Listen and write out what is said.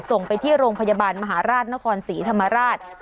ส่งไปที่โรงพยาบาลมหาราชนครศรีธรรมราช